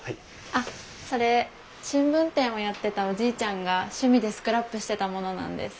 あっそれ新聞店をやってたおじいちゃんが趣味でスクラップしてたものなんです。